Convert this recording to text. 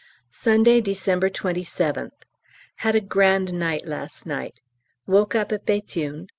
Sunday, December 27th. Had a grand night last night. Woke up at Béthune.